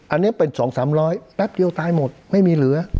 อันนี้เป็นสองสามร้อยแป๊บเดียวตายหมดไม่มีเหลือ